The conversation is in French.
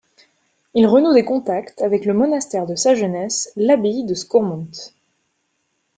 Il renoue des contacts avec le monastère de sa jeunesse, l’abbaye de Scourmont.